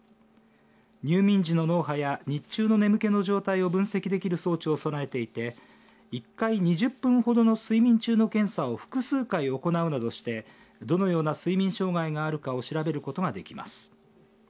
入眠時の脳波や日中の眠気の状態を分析できる装置を備えていて一回２０分ほどの睡眠中の検査を複数回行うなどしてどのような睡眠障害があるかを調べることができます